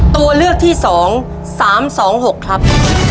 ตัวเลือกที่สองสามสองหกครับ